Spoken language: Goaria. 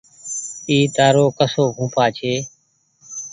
اي تآرو ڪسو ڦوڦآ ڇي